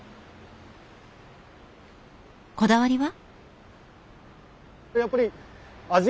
こだわりは？